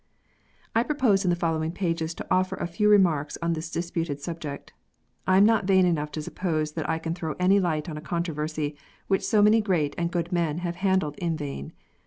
I propose in the following pages to offer a few remarks on this disputed subject. I am not vain enough to suppose that I can throw any light on a controversy which so many great and good men have handled in vain.